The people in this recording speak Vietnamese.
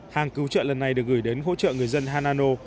hàng cứu trợ lần này được gửi đến hỗ trợ người dân hanano